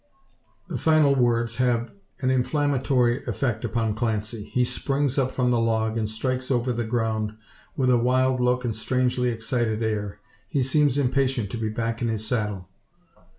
The final words have an inflammatory effect upon Clancy. He springs up from the log, and strides over the ground, with a wild look and strangely excited air. He seems impatient to be back in his saddle.